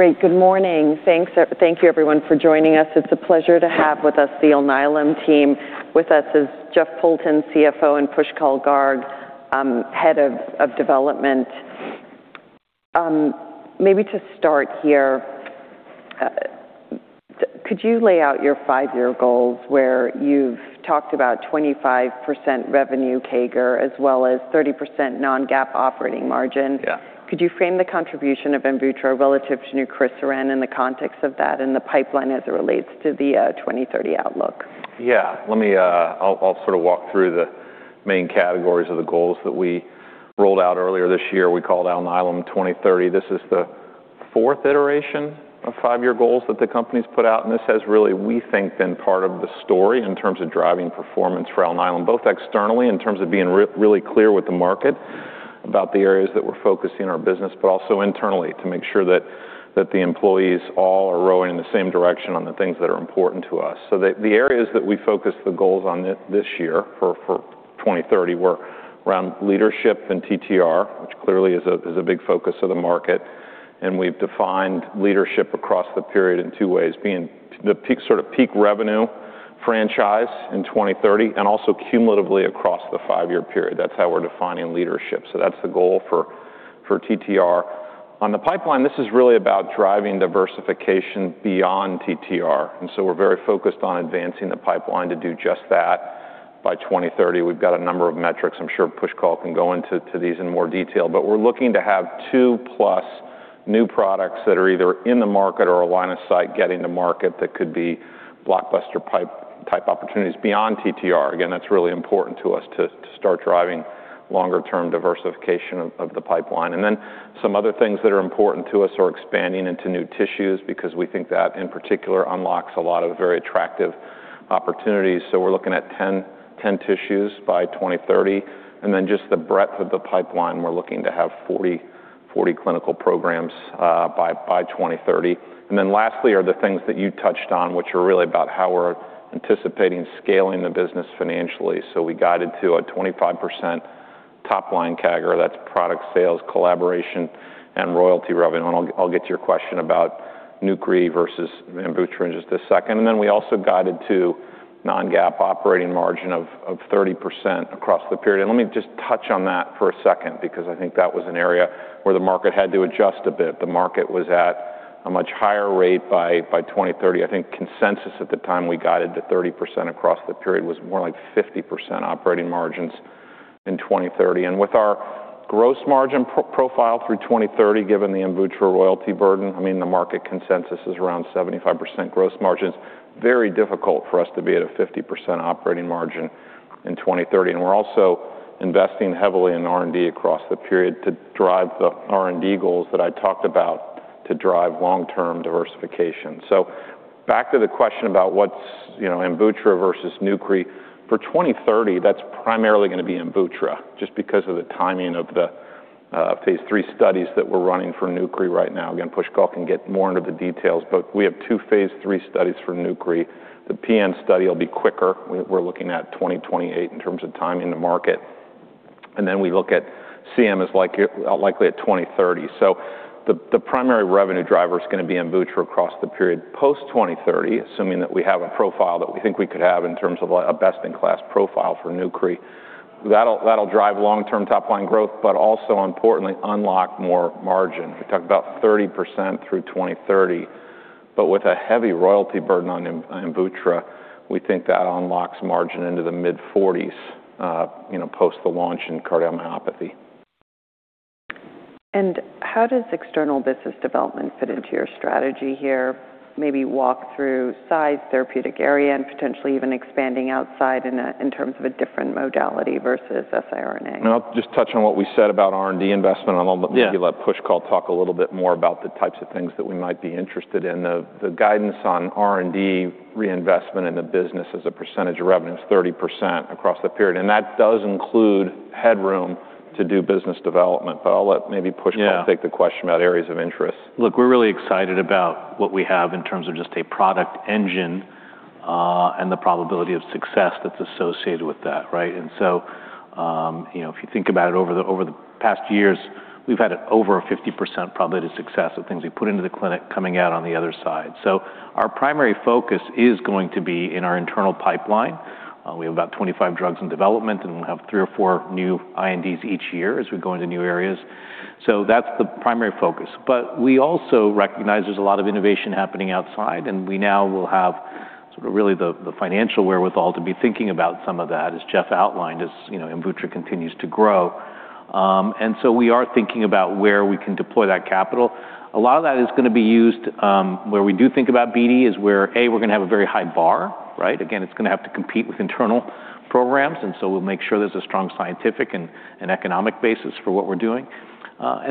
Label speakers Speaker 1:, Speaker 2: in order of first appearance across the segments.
Speaker 1: Great. Good morning. Thank you everyone for joining us. It's a pleasure to have with us the Alnylam team. With us is Jeff Poulton, CFO, and Pushkal Garg, Head of Development. Maybe to start here, could you lay out your five-year goals where you've talked about 25% revenue CAGR as well as 30% non-GAAP operating margin?
Speaker 2: Yeah.
Speaker 1: Could you frame the contribution of AMVUTTRA relative to nucresiran in the context of that and the pipeline as it relates to the 2030 outlook?
Speaker 2: I'll sort of walk through the main categories of the goals that we rolled out earlier this year. We called Alnylam 2030. This is the fourth iteration of five-year goals that the company's put out. This has really, we think, been part of the story in terms of driving performance for Alnylam, both externally in terms of being really clear with the market about the areas that we're focusing our business, internally to make sure that the employees all are rowing in the same direction on the things that are important to us. The areas that we focused the goals on this year for 2030 were around leadership and TTR, which clearly is a big focus of the market. We've defined leadership across the period in two ways, being the sort of peak revenue franchise in 2030 and also cumulatively across the five-year period. That's how we're defining leadership. That's the goal for TTR. On the pipeline, this is really about driving diversification beyond TTR. We're very focused on advancing the pipeline to do just that by 2030. We've got a number of metrics. I'm sure Pushkal can go into these in more detail. We're looking to have two-plus new products that are either in the market or a line of sight getting to market that could be blockbuster-type opportunities beyond TTR. Again, that's really important to us to start driving longer-term diversification of the pipeline. Some other things that are important to us are expanding into new tissues because we think that, in particular, unlocks a lot of very attractive opportunities. We're looking at 10 tissues by 2030. Just the breadth of the pipeline, we're looking to have 40 clinical programs by 2030. Lastly are the things that you touched on, which are really about how we're anticipating scaling the business financially. We guided to a 25% top-line CAGR. That's product sales, collaboration, and royalty revenue. I'll get to your question about nucresiran versus AMVUTTRA in just a second. We also guided to non-GAAP operating margin of 30% across the period. Let me just touch on that for a second, because I think that was an area where the market had to adjust a bit. The market was at a much higher rate by 2030. I think consensus at the time we guided to 30% across the period was more like 50% operating margins in 2030. With our gross margin profile through 2030, given the AMVUTTRA royalty burden, I mean, the market consensus is around 75% gross margins. Very difficult for us to be at a 50% operating margin in 2030. We're also investing heavily in R&D across the period to drive the R&D goals that I talked about to drive long-term diversification. Back to the question about what's AMVUTTRA versus nucresiran. For 2030, that's primarily going to be AMVUTTRA, just because of the timing of the phase III studies that we're running for nucresiran right now. Again, Pushkal can get more into the details, but we have two phase III studies for nucresiran. The PN study will be quicker. We're looking at 2028 in terms of timing to market. We look at CM as likely at 2030. The primary revenue driver is going to be AMVUTTRA across the period. Post-2030, assuming that we have a profile that we think we could have in terms of a best-in-class profile for nucresiran, that'll drive long-term top-line growth, but also importantly, unlock more margin. We talked about 30% through 2030, but with a heavy royalty burden on AMVUTTRA, we think that unlocks margin into the mid-40%s post the launch in cardiomyopathy.
Speaker 1: How does external business development fit into your strategy here? Maybe walk through size, therapeutic area, and potentially even expanding outside in terms of a different modality versus siRNA.
Speaker 2: I'll just touch on what we said about R&D investment.
Speaker 3: Yeah
Speaker 2: I'll maybe let Pushkal talk a little bit more about the types of things that we might be interested in. The guidance on R&D reinvestment in the business as a percentage of revenue is 30% across the period, and that does include headroom to do business development. I'll let maybe Pushkal-
Speaker 3: Yeah
Speaker 2: take the question about areas of interest.
Speaker 3: Look, we're really excited about what we have in terms of just a product engine, and the probability of success that's associated with that, right? If you think about it, over the past years, we've had over a 50% probability of success of things we put into the clinic coming out on the other side. Our primary focus is going to be in our internal pipeline. We have about 25 drugs in development, and we'll have three or four new INDs each year as we go into new areas. That's the primary focus, but we also recognize there's a lot of innovation happening outside, and we now will have sort of really the financial wherewithal to be thinking about some of that, as Jeff outlined, as AMVUTTRA continues to grow. We are thinking about where we can deploy that capital. A lot of that is going to be used where we do think about BD is where we're going to have a very high bar, right? Again, it's going to have to compete with internal programs, we'll make sure there's a strong scientific and economic basis for what we're doing.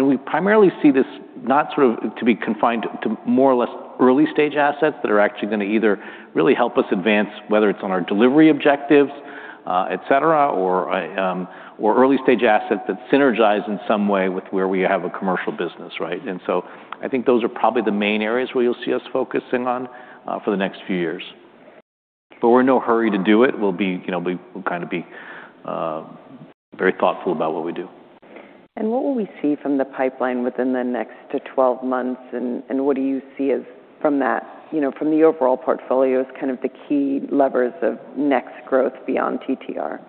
Speaker 3: We primarily see this not sort of to be confined to more or less early-stage assets that are actually going to either really help us advance, whether it's on our delivery objectives, et cetera, or early-stage assets that synergize in some way with where we have a commercial business, right? I think those are probably the main areas where you'll see us focusing on for the next few years. But we're in no hurry to do it. We'll be very thoughtful about what we do.
Speaker 1: What will we see from the pipeline within the next 12 months, and what do you see from the overall portfolio as the key levers of next growth beyond TTR?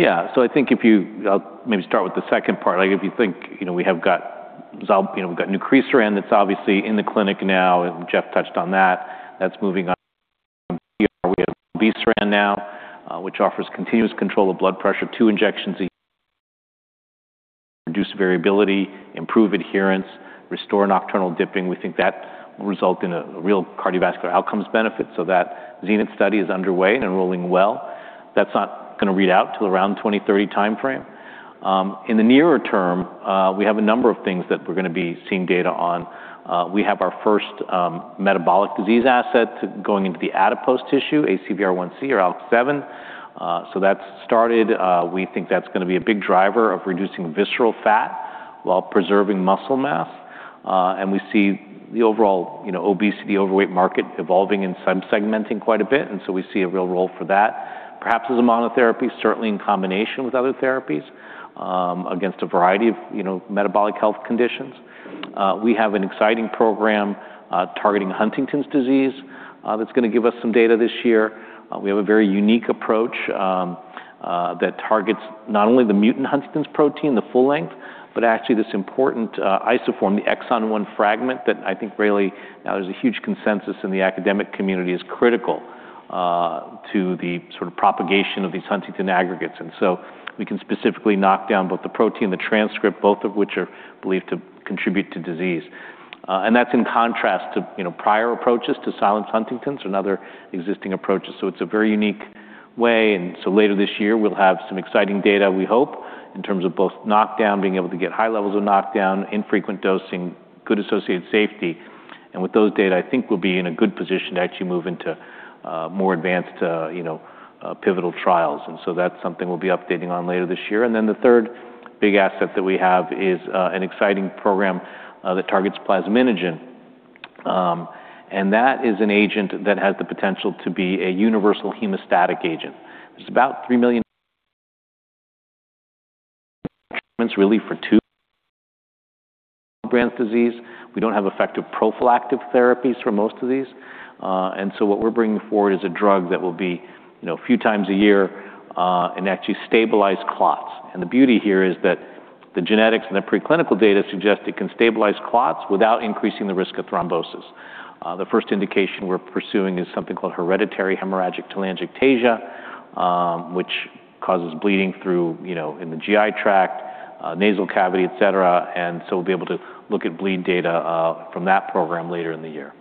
Speaker 3: I'll maybe start with the second part. If you think, we've got nucresiran that's obviously in the clinic now, and Jeff touched on that. That's moving on from here. We have zilebesiran now, which offers continuous control of blood pressure, two injections a year, reduce variability, improve adherence, restore nocturnal dipping. We think that will result in a real cardiovascular outcomes benefit. That ZENITH study is underway and enrolling well. That's not going to read out till around 2030 timeframe. In the nearer term, we have a number of things that we're going to be seeing data on. We have our first metabolic disease asset going into the adipose tissue, ACVR1C or ALK7. That's started. We think that's going to be a big driver of reducing visceral fat while preserving muscle mass. We see the overall obesity, overweight market evolving and sub-segmenting quite a bit, we see a real role for that, perhaps as a monotherapy, certainly in combination with other therapies, against a variety of metabolic health conditions. We have an exciting program targeting Huntington's disease that's going to give us some data this year. We have a very unique approach that targets not only the mutant Huntington's protein, the full length, but actually this important isoform, the exon 1 fragment, that I think really now there's a huge consensus in the academic community is critical to the sort of propagation of these huntingtin aggregates. We can specifically knock down both the protein, the transcript, both of which are believed to contribute to disease. That's in contrast to prior approaches to silence Huntington, another existing approach. It's a very unique way. Later this year, we'll have some exciting data, we hope, in terms of both knockdown, being able to get high levels of knockdown, infrequent dosing, good associated safety. With those data, I think we'll be in a good position to actually move into more advanced pivotal trials. That's something we'll be updating on later this year. The third big asset that we have is an exciting program that targets plasminogen, and that is an agent that has the potential to be a universal hemostatic agent. There's about 3 million treatments really for two branch disease. We don't have effective prophylactic therapies for most of these. What we're bringing forward is a drug that will be a few times a year, and actually stabilize clots. The beauty here is that the genetics and the preclinical data suggest it can stabilize clots without increasing the risk of thrombosis. The first indication we're pursuing is something called hereditary hemorrhagic telangiectasia, which causes bleeding in the GI tract, nasal cavity, et cetera. We'll be able to look at bleed data from that program later in the year.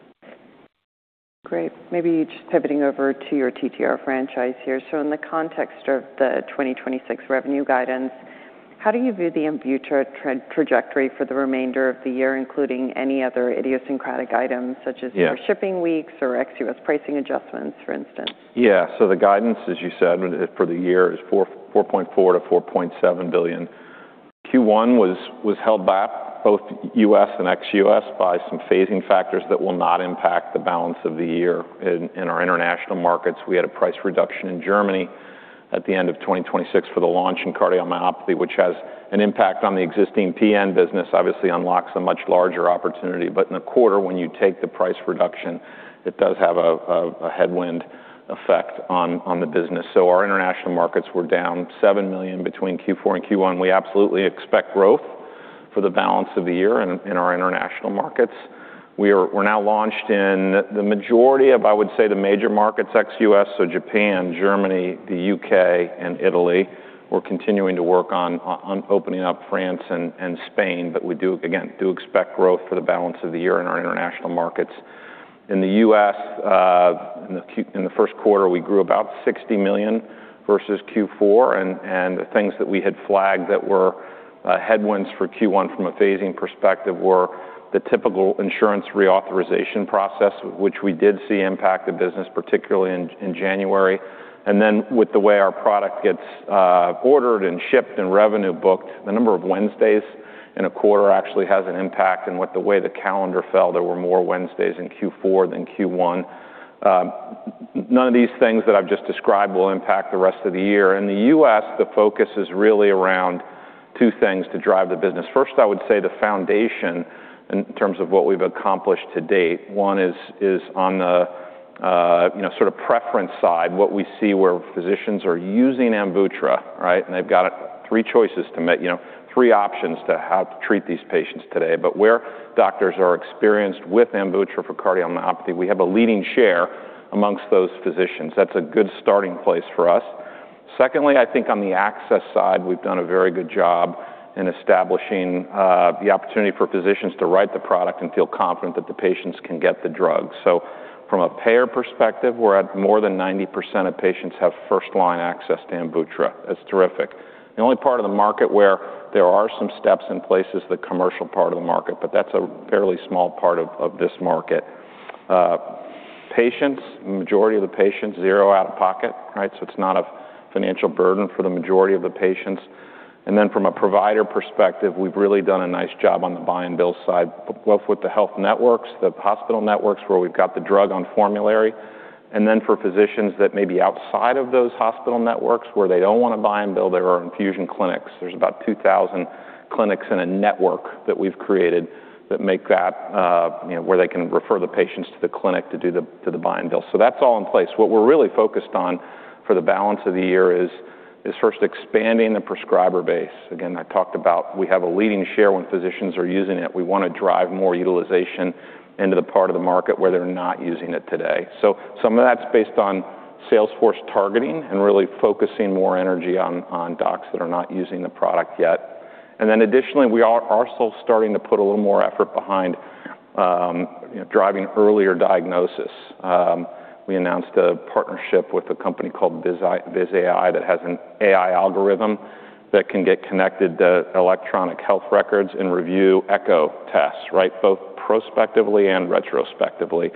Speaker 1: Great. Maybe just pivoting over to your TTR franchise here. In the context of the 2026 revenue guidance, how do you view the AMVUTTRA trajectory for the remainder of the year, including any other idiosyncratic items, such as.
Speaker 2: Yeah
Speaker 1: your shipping weeks or ex-U.S. pricing adjustments, for instance?
Speaker 2: Yeah. The guidance, as you said, for the year is $4.4 billion-$4.7 billion. Q1 was held back, both U.S. and ex-U.S., by some phasing factors that will not impact the balance of the year. In our international markets, we had a price reduction in Germany at the end of 2026 for the launch in cardiomyopathy, which has an impact on the existing PN business, obviously unlocks a much larger opportunity. In a quarter, when you take the price reduction, it does have a headwind effect on the business. Our international markets were down $7 million between Q4 and Q1. We absolutely expect growth for the balance of the year in our international markets. We're now launched in the majority of, I would say, the major markets, ex-U.S., so Japan, Germany, the U.K., and Italy. We're continuing to work on opening up France and Spain, we, again, do expect growth for the balance of the year in our international markets. In the U.S., in the first quarter, we grew about $60 million versus Q4, the things that we had flagged that were headwinds for Q1 from a phasing perspective were the typical insurance reauthorization process, which we did see impact the business, particularly in January. With the way our product gets ordered and shipped and revenue booked, the number of Wednesdays in a quarter actually has an impact, and with the way the calendar fell, there were more Wednesdays in Q4 than Q1. None of these things that I've just described will impact the rest of the year. In the U.S., the focus is really around two things to drive the business. First, I would say the foundation in terms of what we've accomplished to-date. One is on the sort of preference side, what we see where physicians are using AMVUTTRA, right? They've got three choices to make, three options to how to treat these patients today. Where doctors are experienced with AMVUTTRA for cardiomyopathy, we have a leading share amongst those physicians. That's a good starting place for us. Secondly, I think on the access side, we've done a very good job in establishing the opportunity for physicians to write the product and feel confident that the patients can get the drug. From a payer perspective, we're at more than 90% of patients have first-line access to AMVUTTRA. That's terrific. The only part of the market where there are some steps in place is the commercial part of the market, that's a fairly small part of this market. Patients, majority of the patients, zero out-of-pocket, right? It's not a financial burden for the majority of the patients. From a provider perspective, we've really done a nice job on the buy and bill side, both with the health networks, the hospital networks, where we've got the drug on formulary, and then for physicians that may be outside of those hospital networks where they don't want to buy and bill, there are infusion clinics. There's about 2,000 clinics in a network that we've created where they can refer the patients to the clinic to do the buy and bill. That's all in place. What we're really focused on for the balance of the year is first expanding the prescriber base. Again, I talked about we have a leading share when physicians are using it. We want to drive more utilization into the part of the market where they're not using it today. Some of that's based on sales force targeting and really focusing more energy on docs that are not using the product yet. Additionally, we are also starting to put a little more effort behind driving earlier diagnosis. We announced a partnership with a company called Viz.ai that has an AI algorithm that can get connected to electronic health records and review echocardiogram tests, both prospectively and retrospectively.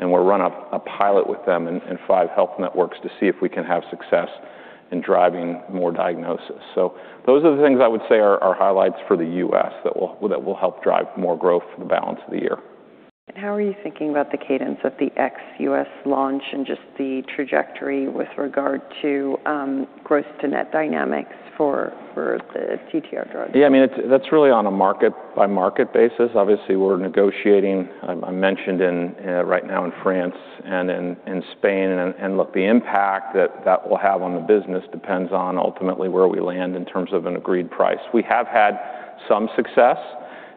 Speaker 2: We'll run a pilot with them in five health networks to see if we can have success in driving more diagnosis. Those are the things I would say are highlights for the U.S. that will help drive more growth for the balance of the year.
Speaker 1: How are you thinking about the cadence of the ex-U.S. launch and just the trajectory with regard to gross to net dynamics for the TTR drug?
Speaker 2: That's really on a market-by-market basis. Obviously, we're negotiating, I mentioned right now in France and in Spain. Look, the impact that that will have on the business depends on ultimately where we land in terms of an agreed price. We have had some success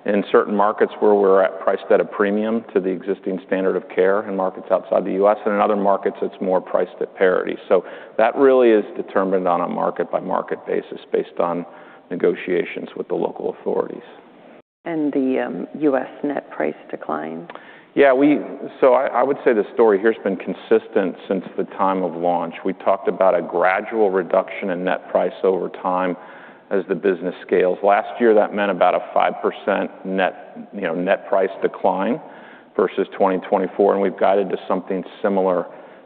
Speaker 2: in certain markets where we're at priced at a premium to the existing standard of care in markets outside the U.S. In other markets, it's more priced at parity. That really is determined on a market-by-market basis, based on negotiations with the local authorities.
Speaker 1: The U.S. net price decline?
Speaker 2: Yeah. I would say the story here has been consistent since the time of launch. We talked about a gradual reduction in net price over time as the business scales. Last year, that meant about a 5% net price decline versus 2024, and we've guided to something similar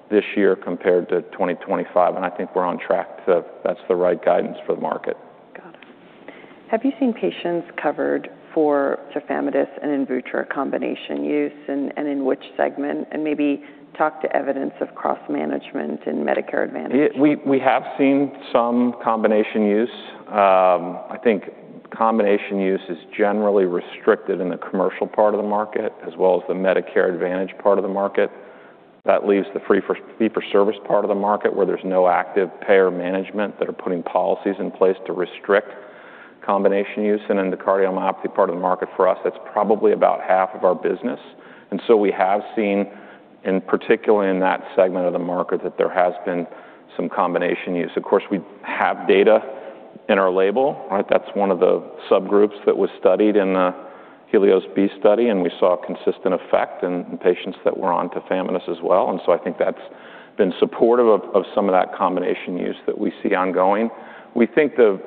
Speaker 2: this year compared to 2025. I think we're on track, that's the right guidance for the market.
Speaker 1: Got it. Have you seen patients covered for tafamidis and AMVUTTRA combination use and in which segment? Maybe talk to evidence of cross-management in Medicare Advantage.
Speaker 2: We have seen some combination use. I think combination use is generally restricted in the commercial part of the market as well as the Medicare Advantage part of the market. That leaves the fee-for-service part of the market where there's no active payer management that are putting policies in place to restrict combination use. In the cardiomyopathy part of the market, for us, that's probably about half of our business. We have seen, and particularly in that segment of the market, that there has been some combination use. Of course, we have data in our label. That's one of the subgroups that was studied in the HELIOS-B study, and we saw a consistent effect in patients that were on tafamidis as well. I think that's been supportive of some of that combination use that we see ongoing. We think the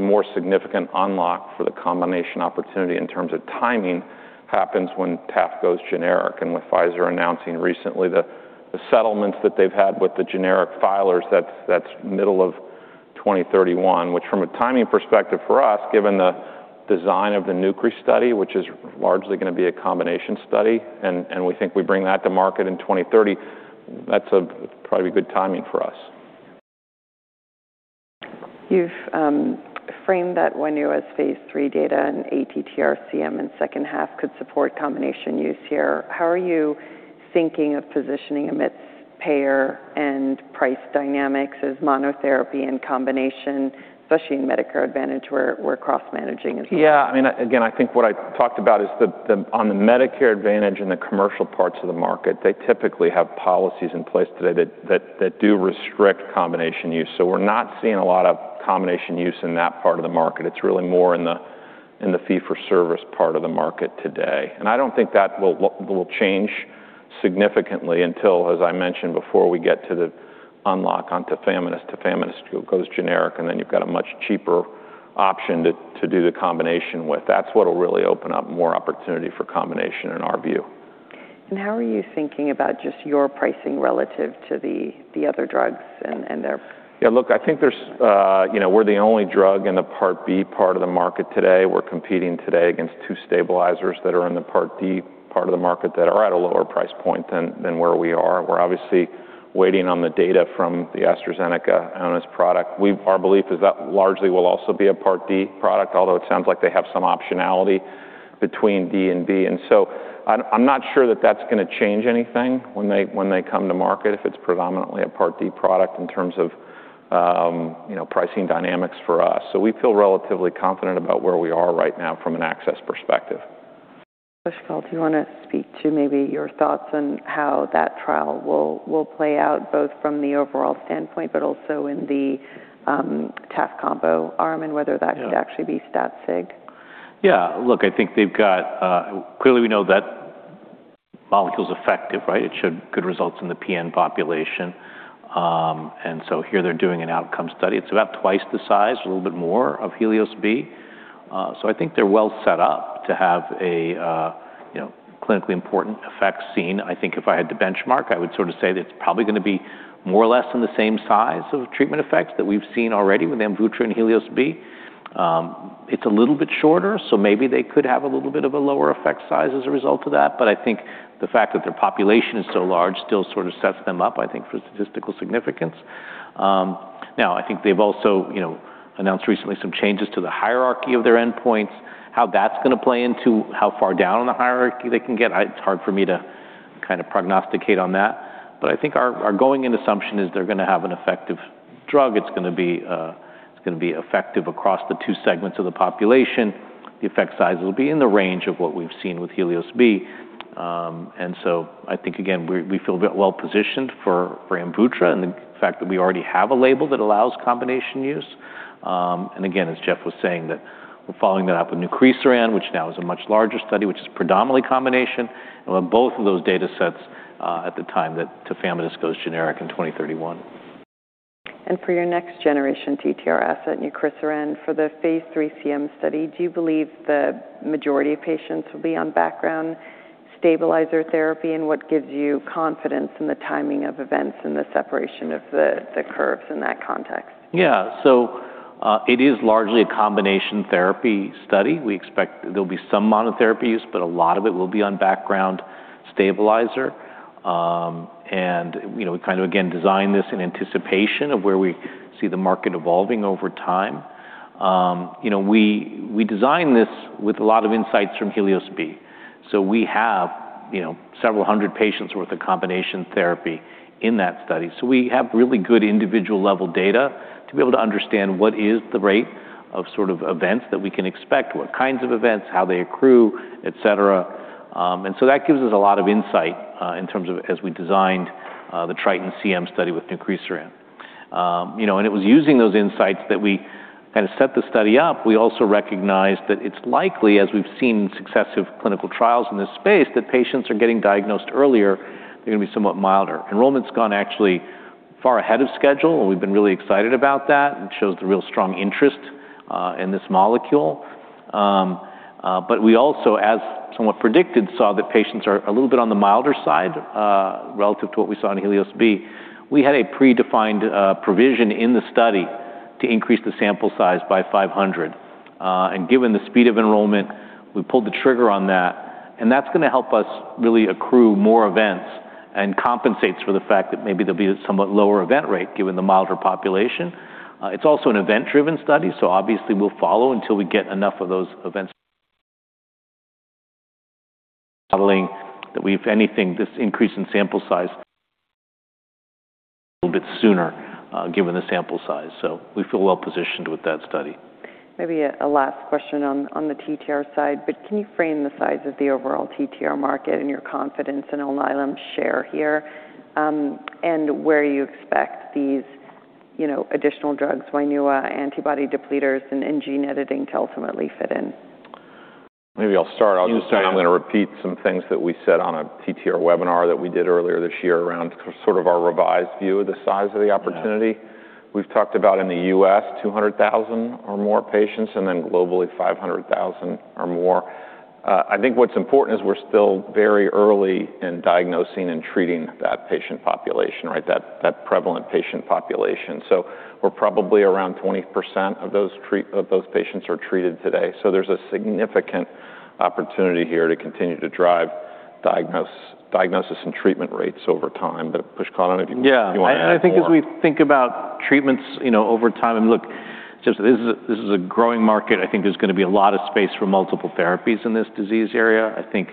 Speaker 2: more significant unlock for the combination opportunity in terms of timing happens when Taf goes generic. With Pfizer announcing recently the settlements that they've had with the generic filers, that's middle of 2031. From a timing perspective for us, given the design of the nucre study, which is largely going to be a combination study, we think we bring that to market in 2030, that's probably good timing for us.
Speaker 1: You've framed that one U.S. phase III data in ATTR-CM in second half could support combination use here. How are you thinking of positioning amidst payer and price dynamics as monotherapy and combination, especially in Medicare Advantage, where cross-managing?
Speaker 2: Again, I think what I talked about is on the Medicare Advantage and the commercial parts of the market, they typically have policies in place today that do restrict combination use. We're not seeing a lot of combination use in that part of the market. It's really more in the fee-for-service part of the market today. I don't think that will change significantly until, as I mentioned before, we get to the unlock on tafamidis. Tafamidis goes generic, then you've got a much cheaper option to do the combination with. That's what'll really open up more opportunity for combination in our view.
Speaker 1: How are you thinking about just your pricing relative to the other drugs and their?
Speaker 2: I think we're the only drug in the Part B part of the market today. We're competing today against two stabilizers that are in the Part D part of the market that are at a lower price point than where we are. We're obviously waiting on the data from AstraZeneca on its product. Our belief is that largely will also be a Part D product, although it sounds like they have some optionality between D and B. I'm not sure that that's going to change anything when they come to market if it's predominantly a Part D product in terms of pricing dynamics for us. We feel relatively confident about where we are right now from an access perspective.
Speaker 1: Pushkal, do you want to speak to maybe your thoughts on how that trial will play out, both from the overall standpoint, but also in the Taf combo arm, and whether that could actually be stat sig?
Speaker 3: Clearly we know that molecule's effective. It showed good results in the PN population. Here they're doing an outcome study. It's about twice the size, a little bit more, of HELIOS-B. I think they're well set up to have a clinically important effect seen. I think if I had to benchmark, I would say that it's probably going to be more or less in the same size of treatment effect that we've seen already with AMVUTTRA and HELIOS-B. It's a little bit shorter, so maybe they could have a little bit of a lower effect size as a result of that. I think the fact that their population is so large still sort of sets them up, I think, for statistical significance. I think they've also announced recently some changes to the hierarchy of their endpoints, how that's going to play into how far down the hierarchy they can get. It's hard for me to kind of prognosticate on that. I think our going-in assumption is they're going to have an effective drug. It's going to be effective across the two segments of the population. The effect size will be in the range of what we've seen with HELIOS-B. I think, again, we feel a bit well-positioned for AMVUTTRA and the fact that we already have a label that allows combination use. Again, as Jeff was saying, that we're following that up with nucresiran, which now is a much larger study, which is predominantly combination, and we'll have both of those datasets at the time that tafamidis goes generic in 2031.
Speaker 1: For your next-generation TTR asset, nucresiran, for the phase III CM study, do you believe the majority of patients will be on background stabilizer therapy? What gives you confidence in the timing of events and the separation of the curves in that context?
Speaker 3: It is largely a combination therapy study. We expect there'll be some monotherapies, but a lot of it will be on background stabilizer. We kind of, again, designed this in anticipation of where we see the market evolving over time. We designed this with a lot of insights from HELIOS-B. We have several hundred patients worth of combination therapy in that study. We have really good individual-level data to be able to understand what is the rate of sort of events that we can expect, what kinds of events, how they accrue, et cetera. That gives us a lot of insight as we designed the TRITON-CM study with nucresiran. It was using those insights that we kind of set the study up. We also recognized that it's likely, as we've seen successive clinical trials in this space, that patients are getting diagnosed earlier, they're going to be somewhat milder. Enrollment's gone actually far ahead of schedule, and we've been really excited about that. It shows the real strong interest in this molecule. We also, as somewhat predicted, saw that patients are a little bit on the milder side relative to what we saw in HELIOS-B. We had a predefined provision in the study to increase the sample size by 500. Given the speed of enrollment, we pulled the trigger on that, and that's going to help us really accrue more events and compensates for the fact that maybe there'll be a somewhat lower event rate given the milder population. It's also an event-driven study, obviously we'll follow until we get enough of those events modeling that if anything, this increase in sample size a little bit sooner given the sample size. We feel well-positioned with that study.
Speaker 1: Maybe a last question on the TTR side, but can you frame the size of the overall TTR market and your confidence in Alnylam's share here, and where you expect these additional drugs, WAINUA antibody depleters, and gene editing to ultimately fit in?
Speaker 2: Maybe I'll start. I was just saying I'm going to repeat some things that we said on a TTR webinar that we did earlier this year around sort of our revised view of the size of the opportunity.
Speaker 3: Yeah.
Speaker 2: We've talked about in the U.S., 200,000 or more patients, and then globally, 500,000 or more. I think what's important is we're still very early in diagnosing and treating that patient population, right? That prevalent patient population. We're probably around 20% of those patients are treated today. There's a significant opportunity here to continue to drive diagnosis and treatment rates over time. Pushkal, I don't know if you want to add more.
Speaker 3: Yeah. I think as we think about treatments over time, and look, this is a growing market. I think there's going to be a lot of space for multiple therapies in this disease area. I think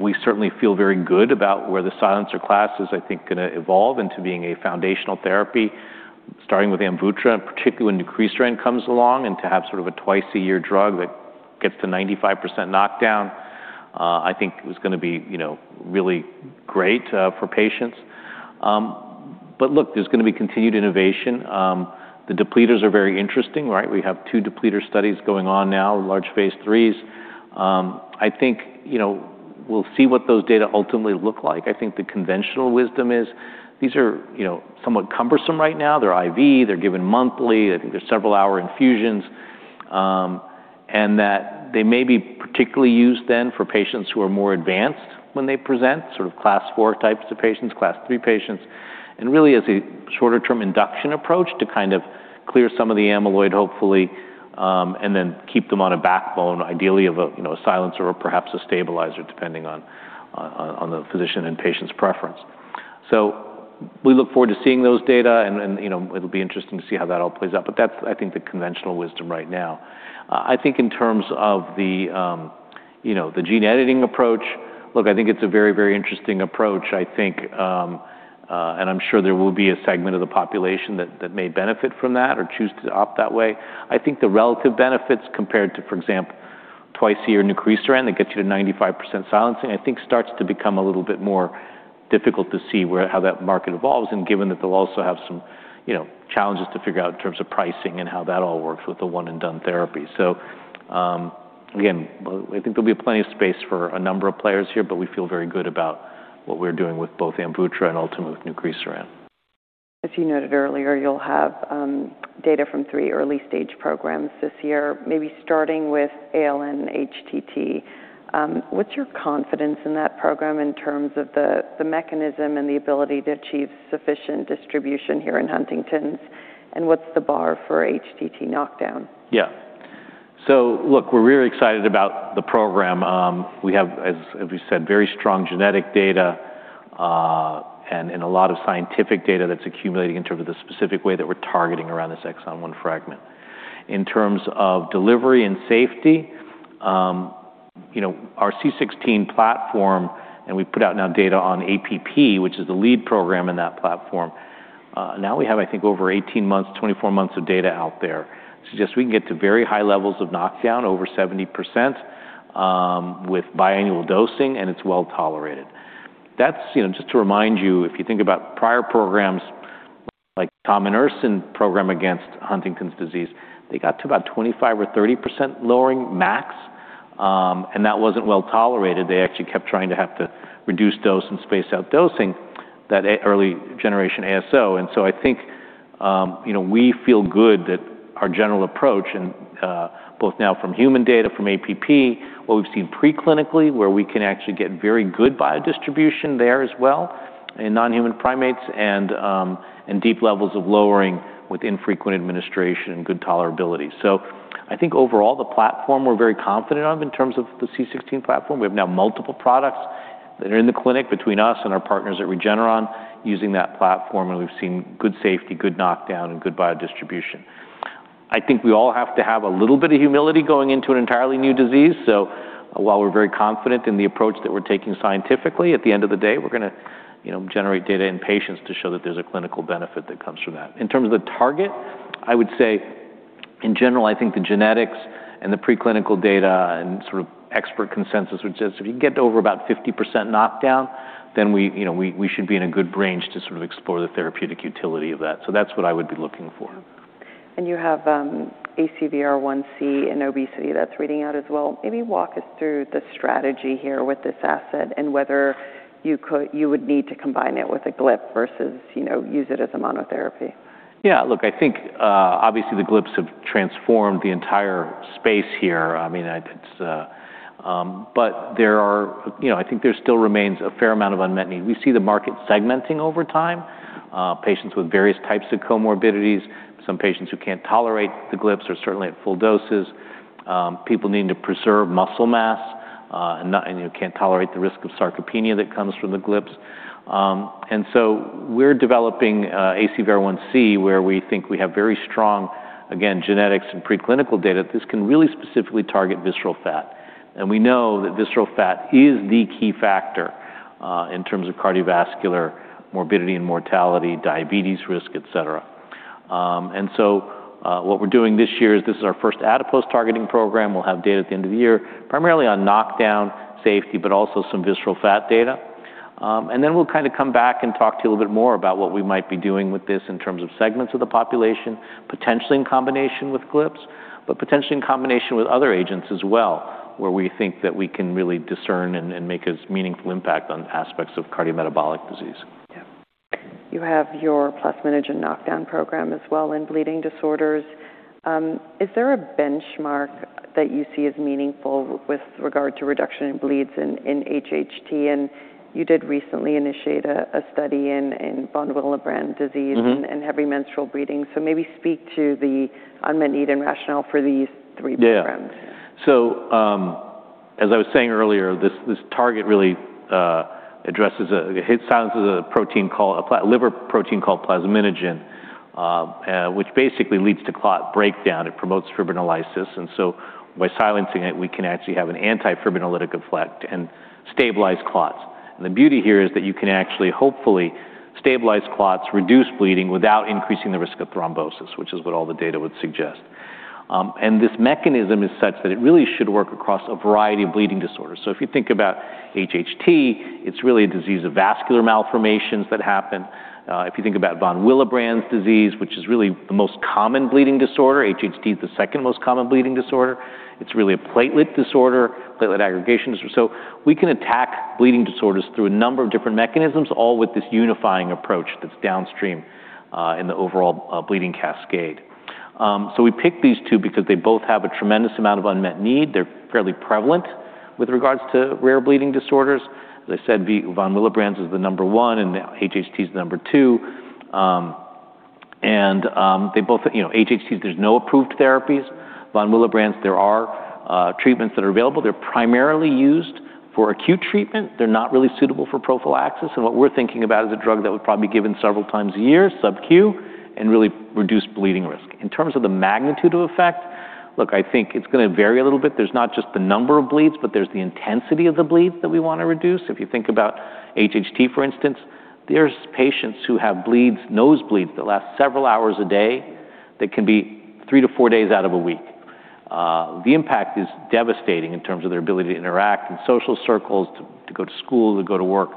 Speaker 3: we certainly feel very good about where the silencer class is, I think, going to evolve into being a foundational therapy, starting with AMVUTTRA, and particularly when nucresiran comes along, and to have sort of a twice-a-year drug that gets to 95% knockdown, I think is going to be really great for patients. Look, there's going to be continued innovation. The depleters are very interesting, right? We have two depleter studies going on now, large phase IIIs. I think we'll see what those data ultimately look like. I think the conventional wisdom is these are somewhat cumbersome right now. They're IV, they're given monthly. I think they're several-hour infusions. That they may be particularly used then for patients who are more advanced when they present, sort of Class IV types of patients, Class III patients, and really as a shorter-term induction approach to kind of clear some of the amyloid, hopefully, and then keep them on a backbone, ideally of a silencer or perhaps a stabilizer, depending on the physician and patient's preference. We look forward to seeing those data, and it'll be interesting to see how that all plays out. That's, I think, the conventional wisdom right now. I think in terms of the gene editing approach, look, I think it's a very, very interesting approach. I think, I'm sure there will be a segment of the population that may benefit from that or choose to opt that way. I think the relative benefits compared to, for example, twice-a-year nucresiran that gets you to 95% silencing, I think starts to become a little bit more difficult to see how that market evolves, and given that they'll also have some challenges to figure out in terms of pricing and how that all works with the one-and-done therapy. Again, I think there'll be plenty of space for a number of players here, but we feel very good about what we're doing with both AMVUTTRA and ultimately with nucresiran.
Speaker 1: As you noted earlier, you'll have data from three early-stage programs this year, maybe starting with ALN-HTT. What's your confidence in that program in terms of the mechanism and the ability to achieve sufficient distribution here in Huntington's? What's the bar for HTT knockdown?
Speaker 3: Look, we're really excited about the program. We have, as we said, very strong genetic data, and a lot of scientific data that's accumulating in terms of the specific way that we're targeting around this exon 1 fragment. In terms of delivery and safety, our C16 platform, and we put out now data on APP, which is the lead program in that platform. Now we have, I think, over 18 months, 24 months of data out there. Suggest we can get to very high levels of knockdown, over 70%, with biannual dosing, and it's well-tolerated. That's just to remind you, if you think about prior programs like tominersen program against Huntington's disease, they got to about 25% or 30% lowering max, and that wasn't well tolerated. They actually kept trying to have to reduce dose and space out dosing, that early-generation ASO. I think we feel good that our general approach, both now from human data, from APP, what we've seen preclinically, where we can actually get very good biodistribution there as well in non-human primates, and deep levels of lowering with infrequent administration and good tolerability. I think overall, the platform we're very confident of in terms of the C16 platform. We have now multiple products that are in the clinic between us and our partners at Regeneron using that platform, and we've seen good safety, good knockdown, and good biodistribution. I think we all have to have a little bit of humility going into an entirely new disease. While we're very confident in the approach that we're taking scientifically, at the end of the day, we're going to generate data in patients to show that there's a clinical benefit that comes from that. In terms of the target, I would say in general, I think the genetics and the preclinical data and sort of expert consensus, which says if you get over about 50% knockdown, then we should be in a good range to sort of explore the therapeutic utility of that. That's what I would be looking for.
Speaker 1: Yeah. You have ACVR1C in obesity that's reading out as well. Maybe walk us through the strategy here with this asset and whether you would need to combine it with a GLP-1 versus use it as a monotherapy.
Speaker 3: Yeah, look, I think obviously the GLP-1s have transformed the entire space here. I think there still remains a fair amount of unmet need. We see the market segmenting over time, patients with various types of comorbidities, some patients who can't tolerate the GLP-1s or certainly at full doses, people needing to preserve muscle mass, and can't tolerate the risk of sarcopenia that comes from the GLP-1s. We're developing ACVR1C, where we think we have very strong, again, genetics and preclinical data that this can really specifically target visceral fat. We know that visceral fat is the key factor in terms of cardiovascular morbidity and mortality, diabetes risk, et cetera. What we're doing this year is this is our first adipose targeting program. We'll have data at the end of the year, primarily on knockdown safety, but also some visceral fat data. We'll kind of come back and talk to you a little bit more about what we might be doing with this in terms of segments of the population, potentially in combination with GLP-1s, but potentially in combination with other agents as well, where we think that we can really discern and make a meaningful impact on aspects of cardiometabolic disease.
Speaker 1: Yeah. You have your plasminogen knockdown program as well in bleeding disorders. Is there a benchmark that you see as meaningful with regard to reduction in bleeds in HHT? You did recently initiate a study in von Willebrand disease and heavy menstrual bleeding. Maybe speak to the unmet need and rationale for these three programs.
Speaker 3: Yeah. As I was saying earlier, this target really silences a liver protein called plasminogen, which basically leads to clot breakdown. It promotes fibrinolysis. By silencing it, we can actually have an anti-fibrinolytic effect and stabilize clots. The beauty here is that you can actually hopefully stabilize clots, reduce bleeding without increasing the risk of thrombosis, which is what all the data would suggest. This mechanism is such that it really should work across a variety of bleeding disorders. If you think about HHT, it's really a disease of vascular malformations that happen. If you think about von Willebrand disease, which is really the most common bleeding disorder, HHT is the second most common bleeding disorder. It's really a platelet disorder, platelet aggregation disorder. We can attack bleeding disorders through a number of different mechanisms, all with this unifying approach that's downstream in the overall bleeding cascade. We picked these two because they both have a tremendous amount of unmet need. They're fairly prevalent with regards to rare bleeding disorders. As I said, von Willebrand's is the number one, and HHT is number two. HHT, there's no approved therapies. Von Willebrand's, there are treatments that are available. They're primarily used for acute treatment. They're not really suitable for prophylaxis. What we're thinking about is a drug that would probably be given several times a year, sub-Q, and really reduce bleeding risk. In terms of the magnitude of effect, look, I think it's going to vary a little bit. There's not just the number of bleeds, but there's the intensity of the bleeds that we want to reduce. If you think about HHT, for instance, there's patients who have nosebleeds that last several hours a day, that can be three to four days out of a week. The impact is devastating in terms of their ability to interact in social circles, to go to school, to go to work.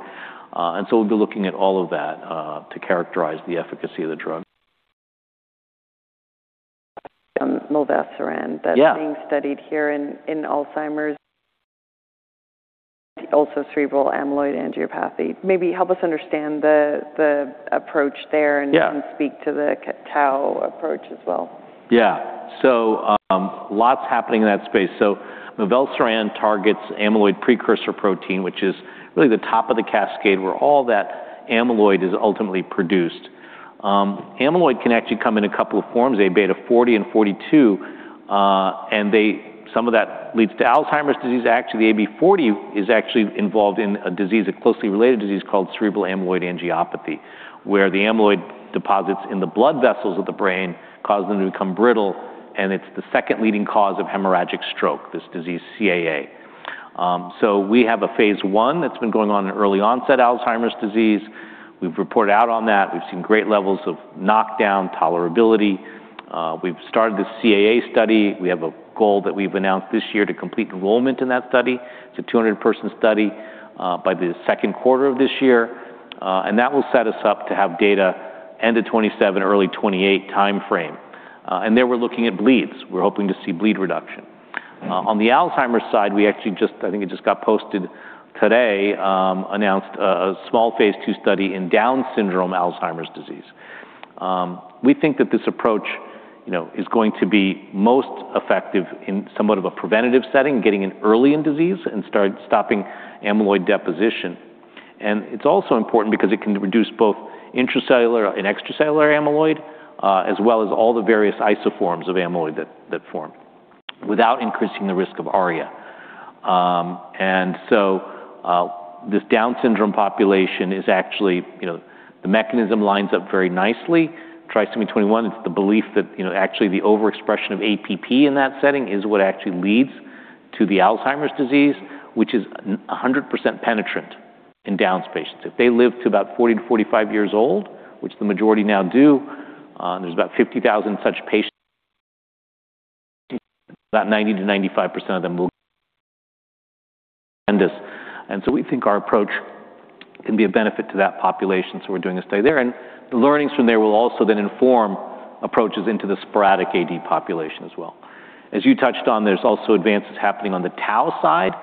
Speaker 3: We'll be looking at all of that to characterize the efficacy of the drug.
Speaker 1: mivelsiran-
Speaker 3: Yeah
Speaker 1: that's being studied here in Alzheimer's. Also cerebral amyloid angiopathy. Maybe help us understand the approach there.
Speaker 3: Yeah
Speaker 1: You can speak to the tau approach as well.
Speaker 3: Yeah. Lots happening in that space. Mivelsiran targets amyloid precursor protein, which is really the top of the cascade where all that amyloid is ultimately produced. Amyloid can actually come in a couple of forms, amyloid beta 40 and 42, and some of that leads to Alzheimer's disease. Actually, AB40 is actually involved in a closely related disease called cerebral amyloid angiopathy, where the amyloid deposits in the blood vessels of the brain cause them to become brittle, and it's the second leading cause of hemorrhagic stroke, this disease CAA. We have a phase I that's been going on in early-onset Alzheimer's disease. We've reported out on that. We've seen great levels of knockdown tolerability. We've started the CAA study. We have a goal that we've announced this year to complete enrollment in that study. It's a 200-person study, by the second quarter of this year. That will set us up to have data end of 2027, early 2028 timeframe. There we're looking at bleeds. We're hoping to see bleed reduction. On the Alzheimer's side, we actually just, I think it just got posted today, announced a small phase II study in Down syndrome Alzheimer's disease. We think that this approach is going to be most effective in somewhat of a preventative setting, getting in early in disease, and start stopping amyloid deposition. It's also important because it can reduce both intracellular and extracellular amyloid, as well as all the various isoforms of amyloid that form without increasing the risk of ARIA. This Down syndrome population is actually, the mechanism lines up very nicely. Trisomy 21, it's the belief that actually the overexpression of APP in that setting is what actually leads to the Alzheimer's disease, which is 100% penetrant in Down's patients. If they live to about 40 to 45 years old, which the majority now do, there's about 50,000 such patients. About 90%-95% of them will get this. We think our approach can be a benefit to that population, so we're doing a study there. The learnings from there will also then inform approaches into the sporadic AD population as well. As you touched on, there's also advances happening on the tau side.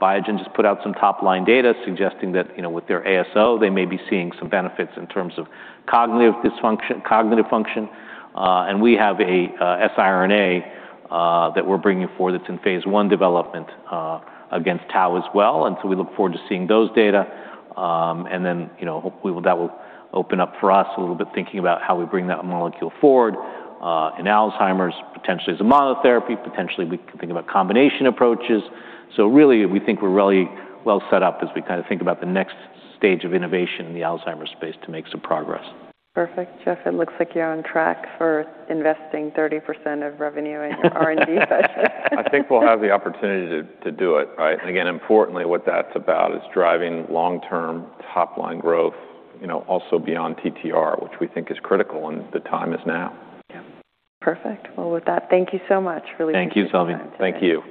Speaker 3: Biogen just put out some top-line data suggesting that with their ASO, they may be seeing some benefits in terms of cognitive function. We have a siRNA that we're bringing forward that's in phase I development against tau as well. We look forward to seeing those data. Hopefully that will open up for us a little bit, thinking about how we bring that molecule forward in Alzheimer's, potentially as a monotherapy. Potentially, we can think about combination approaches. Really, we think we're really well set up as we think about the next stage of innovation in the Alzheimer's space to make some progress.
Speaker 1: Perfect. Jeff, it looks like you're on track for investing 30% of revenue in your R&D budget.
Speaker 2: I think we'll have the opportunity to do it, right? Importantly, what that's about is driving long-term top-line growth also beyond TTR, which we think is critical, the time is now.
Speaker 1: Perfect. With that, thank you so much. Really appreciate your time.
Speaker 2: Thank you, Salveen. Thank you.